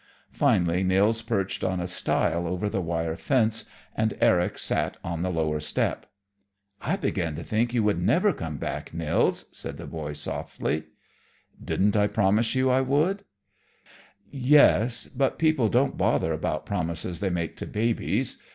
Finally Nils perched on a stile over the wire fence, and Eric sat on the lower step. "I began to think you never would come back, Nils," said the boy softly. "Didn't I promise you I would?" "Yes; but people don't bother about promises they make to babies.